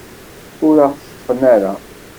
Ur aɣ-teṭṭfen ara.